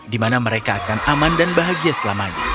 di mana mereka akan aman dan bahagia selamanya